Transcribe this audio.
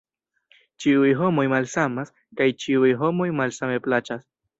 Ĉiuj homoj malsamas, kaj ĉiuj homoj malsame plaĉas.